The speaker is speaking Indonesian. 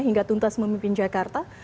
hingga tuntas memimpin jakarta